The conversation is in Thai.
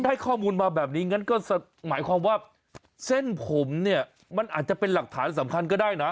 ได้ข้อมูลมาแบบนี้งั้นก็หมายความว่าเส้นผมเนี่ยมันอาจจะเป็นหลักฐานสำคัญก็ได้นะ